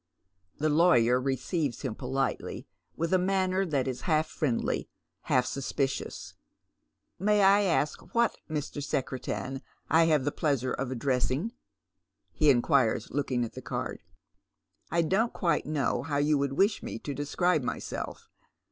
The lawyer receives him politely, with a manner that is half friendly, half suspicious. " May I ask what Mr. Secretan I have the pleasure of address ing? " he inquires, looking at the card. " I don't quite know how you would wish me to describe myself.